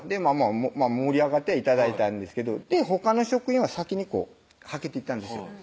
盛り上がって頂いたんですけどほかの職員は先にこうはけていったんですよ